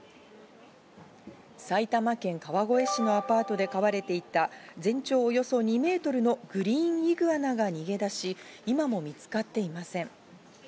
埼玉県川越市のアパートで飼われていた全長およそ２ｍのグリーンイグアナが逃げ出し、今も見つかっていません。